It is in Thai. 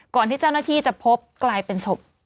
ก่อนที่เจ้าหน้าที่จะพบกลายเป็นศพ